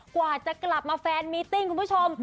กว่าจะกลับมาแฟนมิติ้งคุณผู้ชม